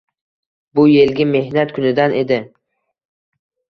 Bu yilgi mehnat kunidan edi.